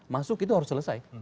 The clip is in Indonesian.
masuk itu harus selesai